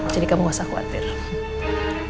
jadi kamu gak usah khawatir